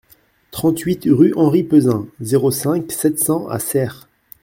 trente-huit rue Henri Peuzin, zéro cinq, sept cents à Serres